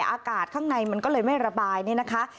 อากาศข้างในมันก็เลยไม่ระบายนี่นะคะ